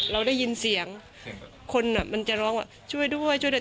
เราได้ยินเสียงคนอ่ะมันจะร้องว่าช่วยด้วยช่วยด้วย